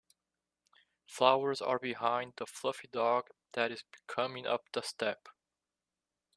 Flowers are behind the fluffy dog that is coming up the step.